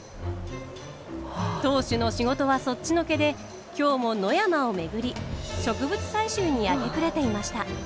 当主の仕事はそっちのけで今日も野山を巡り植物採集に明け暮れていました。